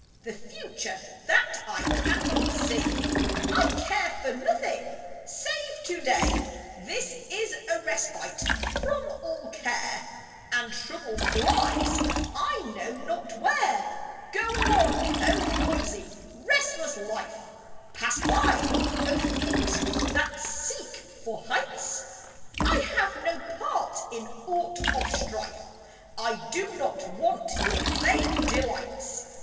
The future that I cannot see! I care for nothing save to day This is a respite from all care, And trouble flies I know not where. Go on, oh, noisy, restless life! Pass by, oh, feet that seek for heights! I have no part in aught of strife; I do not want your vain delights.